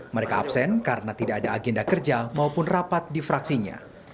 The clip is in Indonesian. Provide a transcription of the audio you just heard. mereka absen karena tidak ada agenda kerja maupun rapat di fraksinya